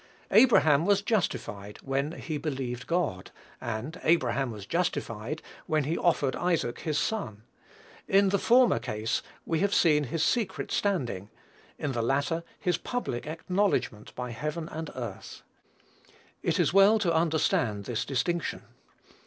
"Abraham was justified" when "he believed God;" and "Abraham was justified" when "he offered Isaac his son." In the former case we have his secret standing; in the latter, his public acknowledgment by heaven and earth. It is well to understand this distinction.